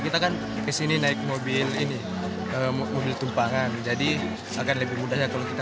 kita kan kesini naik mobil ini mobil tumpangan jadi akan lebih mudah ya kalau kita